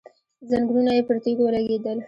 ځنګنونه یې پر تيږو ولګېدل.